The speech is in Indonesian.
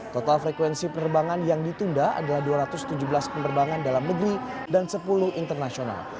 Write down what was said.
total frekuensi penerbangan yang ditunda adalah dua ratus tujuh belas penerbangan dalam negeri dan sepuluh internasional